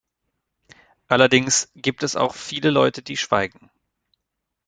Allerdings gibt es auch viele Leute, die schweigen.